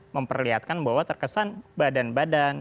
memperlihatkan bahwa terkesan badan badan